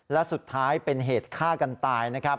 และสุดท้ายเป็นเหตุฆ่ากันตายนะครับ